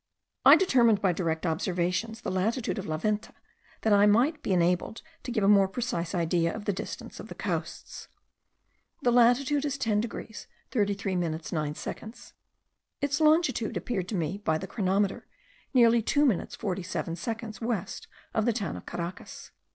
I determined by direct observations the latitude of La Venta, that I might be enabled to give a more precise idea of the distance of the coasts. The latitude is 10 degrees 33 minutes 9 seconds. Its longitude appeared to me by the chronometer, nearly 2 minutes 47 seconds west of the town of Caracas.